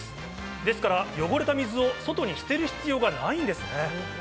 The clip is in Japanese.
ですから汚れた水を外に捨てる必要がないんです。